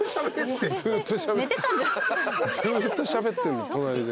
ずっとしゃべってる隣で。